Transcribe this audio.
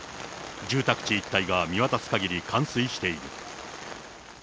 住宅地一帯が見渡すかぎり冠水している。